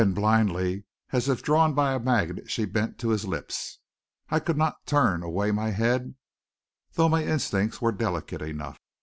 Then blindly, as if drawn by a magnet, she bent to his lips. I could not turn away my head, though my instincts were delicate enough.